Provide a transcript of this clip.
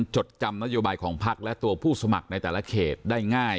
จดจำนโยบายของพักและตัวผู้สมัครในแต่ละเขตได้ง่าย